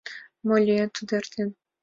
Мо лийын, тудо эртен.